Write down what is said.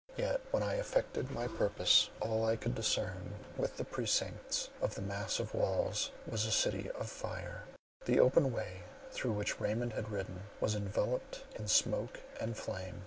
Yet when I effected my purpose, all I could discern within the precincts of the massive walls was a city of fire: the open way through which Raymond had ridden was enveloped in smoke and flame.